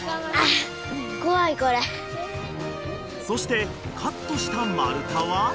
［そしてカットした丸太は］